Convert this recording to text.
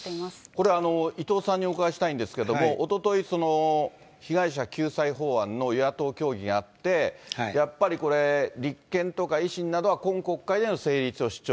これ、伊藤さんにお伺いしたいんですけれども、おととい、被害者救済法案の与野党協議があって、やっぱりこれ、立憲とか維新などは今国会での成立を主張。